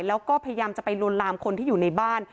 แล้วก็พยายามจะไปลวนลามคนที่อยู่ในบ้าน